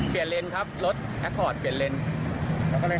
เปลี่ยนเลนส์ครับรถแอคคอร์ดเปลี่ยนเลนส์